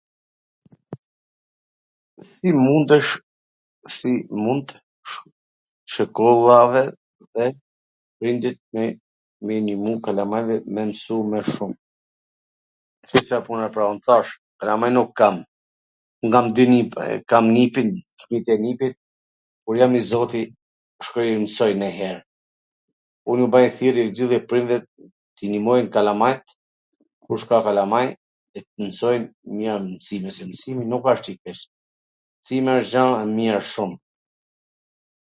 Si mundet shkolla dhe prindrit me u ndimu kalamajve me msu mw shum? Di si a puna pra un thash, kalamaj nuk kam, un kam dy nipwr, kam nipin, fmijt e nipit, por jam i zoti shkoj i msoj nonjher, un ju bwj thirrje gjithve prindvet t i nimojn kalamajt, kush ka kalamaj t i msojn mir msimet se msimi nuk asht t mwrzitesh, msimi asht gja e mir shum,